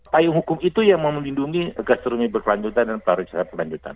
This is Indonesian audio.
payung hukum itu yang memelindungi gastronomi berkelanjutan dan pariwisata berkelanjutan